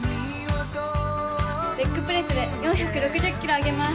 レッグプレスで４６０ｋｇ挙げます。